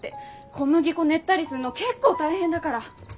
小麦粉練ったりすんの結構大変だから。